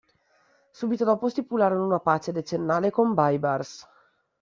Subito dopo stipularono una pace decennale con Baybars.